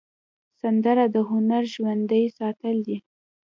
سندره د هنر ژوندي ساتل دي